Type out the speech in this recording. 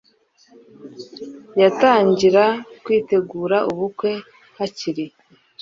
yatangira kwitegura ubukwe hakiri